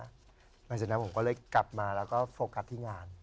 หลังจากนั้นผมก็เลยกลับมาแล้วก็โฟกัสที่งาน